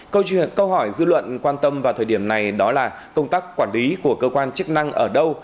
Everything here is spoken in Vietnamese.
câu chuyện câu hỏi dư luận quan tâm vào thời điểm này đó là công tác quản lý của cơ quan chức năng ở đâu